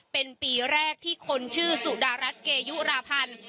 เป็นปีแรกที่คนชื่อสุดารัฐเกยุราพันธ์